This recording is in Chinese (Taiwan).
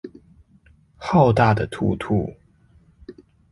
浩大的兔兔